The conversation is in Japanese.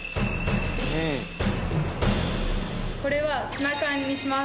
これはツナ缶にします。